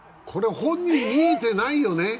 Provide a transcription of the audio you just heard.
これ、本人見えてないよね？